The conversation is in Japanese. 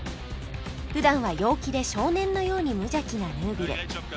普段は陽気で少年のように無邪気なヌービル